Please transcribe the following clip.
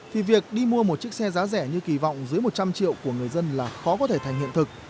thì việc đi mua một chiếc xe giá rẻ như kỳ vọng dưới một trăm linh triệu của người dân là khó có thể thành hiện thực